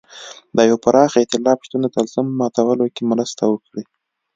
د یوه پراخ اېتلاف شتون د طلسم ماتولو کې مرسته وکړي.